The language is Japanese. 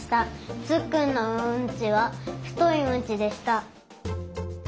つっくんのうんちはふというんちでした。